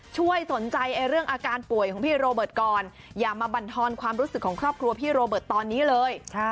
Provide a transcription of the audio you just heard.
ช่วยสนใจเรื่องอาการป่วยของพี่โรเบิร์ตก่อนอย่ามาบรรทอนความรู้สึกของครอบครัวพี่โรเบิร์ตตอนนี้เลย